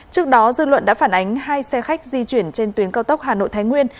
trước đó dư luận đã phản ánh hai xe khách di chuyển trên tuyến cao tốc hà nội thái nguyên